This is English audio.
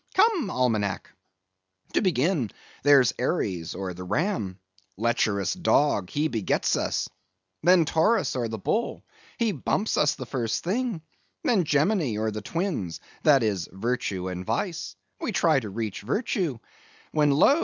Come, Almanack! To begin: there's Aries, or the Ram—lecherous dog, he begets us; then, Taurus, or the Bull—he bumps us the first thing; then Gemini, or the Twins—that is, Virtue and Vice; we try to reach Virtue, when lo!